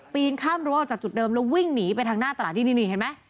ข้ามรั้วออกจากจุดเดิมแล้ววิ่งหนีไปทางหน้าตลาดที่นี่เห็นไหม